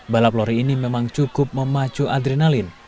balap lori ini memang cukup memacu adrenalin